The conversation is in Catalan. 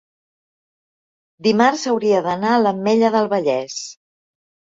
dimarts hauria d'anar a l'Ametlla del Vallès.